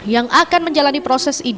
yang akan menjalani proses ident